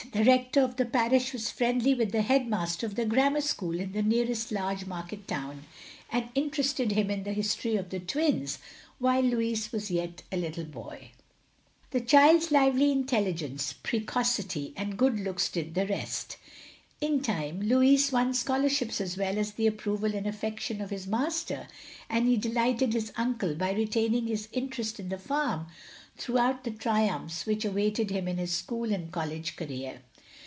The Rector of the parish was friendly with the headmaster of the grammar school in the nearest large market town, and interested him in the history of the twins while Louis was yet a little boy. The child's lively intelligence, precocity, and good looks did the rest. In time Louis won scholarships as well as the approval and affection of his master, and he delighted his uncle by retaining his interest in the farm throughout the triumphs which awaited him in his school and college career.